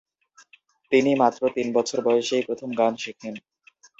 তিনি মাত্র তিন বছর বয়সেই প্রথম গান শেখেন।